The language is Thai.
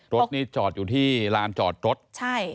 รถนี่จอดอยู่ที่ลานจอดรถใช่